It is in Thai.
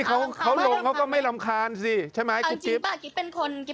คือไม่รำคาญออกเราชอบมองชอบอ่านด้วยนะตลกดี